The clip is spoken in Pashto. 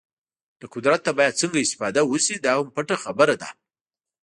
له قدرته باید څنګه استفاده وشي دا هم پټه خبره ده.